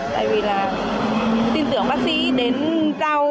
tại vì là tin tưởng bác sĩ đến giao